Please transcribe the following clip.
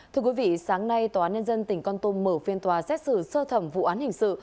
thưa quý vị sáng nay tòa án nhân dân tỉnh con tum mở phiên tòa xét xử sơ thẩm vụ án hình sự